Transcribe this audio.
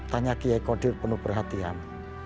tanya kiai kodir penuh perhatian